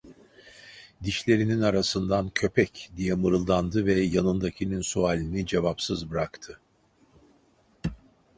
Dişlerinin arasından: "Köpek!" diye mırıldandı ve yanındakinin sualini cevapsız bıraktı.